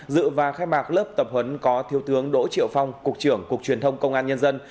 dự và khai mạc lớp tập huấn có thiếu tướng đỗ triệu phong cục trưởng cục truyền thông công an nhân dân